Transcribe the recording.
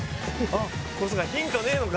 そっかヒントねえのか。